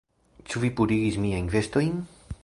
Ĉu vi purigis miajn vestojn?